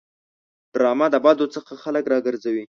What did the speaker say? ډرامه د بدو څخه خلک راګرځوي